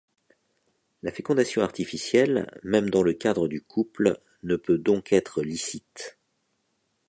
La fécondation artificielle, même dans le cadre du couple ne peut donc être licite.